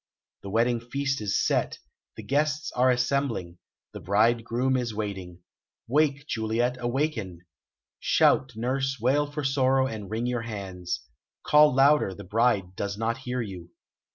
The wedding feast is set, the guests are assembling, the bridegroom is waiting. Wake, Juliet, awaken!... Shout, nurse, wail for sorrow, and wring your hands. Call louder, the bride does not hear you.